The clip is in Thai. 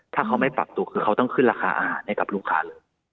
ถ้าเขาไม่ปรับตัวคือเขาต้องขึ้นราคาอาหารให้กับลูกค้าเลย